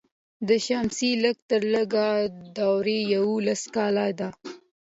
د شمسي لږ تر لږه دوره یوولس کاله ده.